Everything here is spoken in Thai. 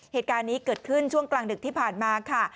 เหตุการณ์นี้เกิดขึ้นช่วงกลางดึกที่ผ่านมาค่ะ